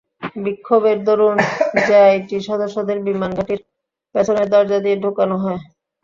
বিক্ষোভের দরুন জেআইটি সদস্যদের বিমান ঘাঁটির পেছনের দরজা দিয়ে ঢোকানো হয়।